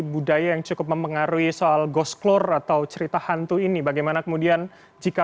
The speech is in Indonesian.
budaya yang cukup mempengaruhi soal ghost clore atau cerita hantu ini bagaimana kemudian jika